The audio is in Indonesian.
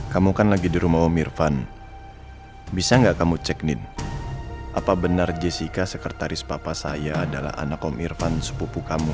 kamu kan lagi di rumah om irvan bisa gak kamu cek nin apa benar jessica sekretaris papa saya adalah anak om irvan sepupu kamu